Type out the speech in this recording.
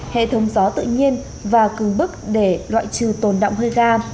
hệ thống gió tự nhiên và cứng bức để loại trừ tồn động hơi ga